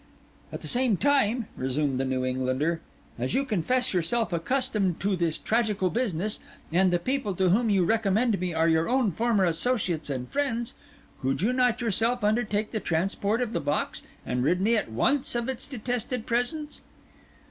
"At the same time," resumed the New Englander, "as you confess yourself accustomed to this tragical business, and the people to whom you recommend me are your own former associates and friends, could you not yourself undertake the transport of the box, and rid me at once of its detested presence?"